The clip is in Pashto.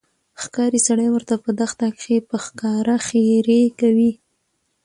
ښکارې سړي ورته په دښته کښي په ښکاره ښيرې کولې